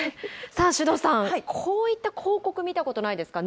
さあ、首藤さん、こういった広告見たことないですか？